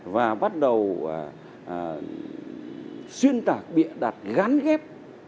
và bắt đầu xuyên tạp bịa đặt gắn ghép